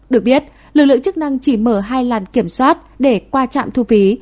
được biết lực lượng chức năng chỉ mở hai làn kiểm soát để qua trạm thu phí